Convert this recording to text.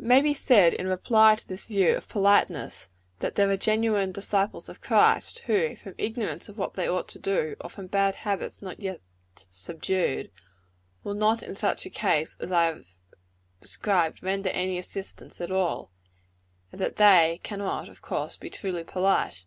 It may be said in reply to this view of politeness, that there are genuine disciples of Christ, who, from ignorance of what they ought to do, or from bad habits not yet subdued, will not in such a case as I have described, render any assistance at all; and that they cannot, of course, be truly polite.